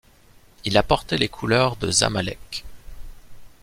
Il a porté les couleurs de Zamalek.